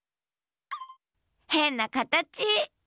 へんなかたち！